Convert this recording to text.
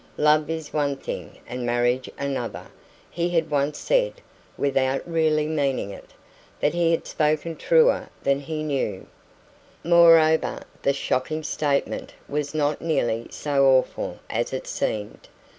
"Love is one thing and marriage another," he had once said, without really meaning it; but he had spoken truer than he knew. Moreover, the shocking statement was not nearly so awful as it seemed.